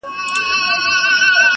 دا منم چي مي خپل ورڼه دي وژلي؛